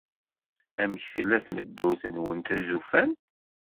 Amek tella tmeddurt-nwen tuzufant?